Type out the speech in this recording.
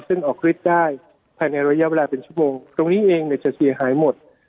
ซึ่งออกฤทธิ์ได้ภายในระยะเวลาเป็นชั่วโมงตรงนี้เองเนี่ยจะเสียหายหมด